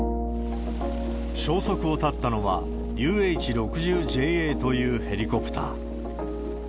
消息を絶ったのは、ＵＨ６０ＪＡというヘリコプター。